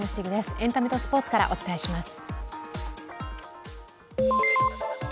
エンタメとスポーツからお伝えします。